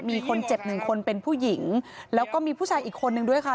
มีคนเจ็บหนึ่งคนเป็นผู้หญิงแล้วก็มีผู้ชายอีกคนนึงด้วยค่ะ